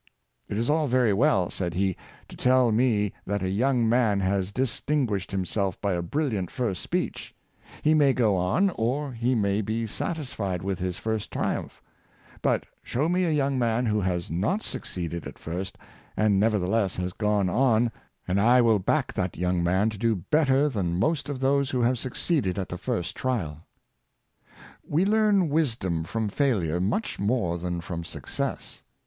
" It is all very well, said he, ^' to tell me that a young man has distinguished himself by a bril liant first speech. He may go on, or he may be satis fied with his first triumph; but show me a young man who has not succeeded at first, and nevertheless has gone on, and I will back that young man to do better than most of those who have succeeded at the first trial." 310 Uses of Difficulty . We learn wisdom from failure much more than from success.